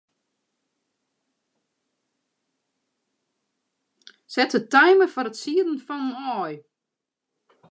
Set de timer foar it sieden fan in aai.